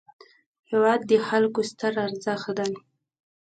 هېواد د خلکو ستر ارزښت دی.